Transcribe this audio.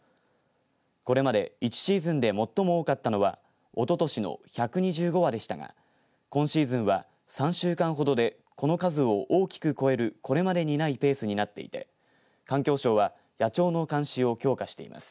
これまで１シーズンで最も多かったのはおととしの１２５羽でしたが今シーズンは３週間ほどでこの数を大きく超えるこれまでにないペースになっていて環境省は野鳥の監視を強化しています。